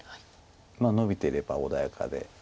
ノビてれば穏やかで。